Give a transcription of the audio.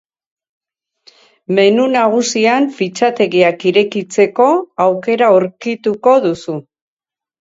Menu nagusian fitxategiak irekitzeko aukera aurkituko duzu.